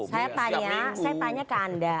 saya tanya saya tanya ke anda